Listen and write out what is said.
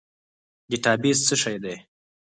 ډیټابیس څه شی دی؟